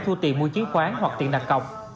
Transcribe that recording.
thu tiền mua chứng khoán hoặc tiền đặt cọc